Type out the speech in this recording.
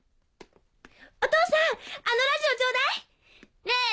お父さんあのラジオちょうだい！ねぇ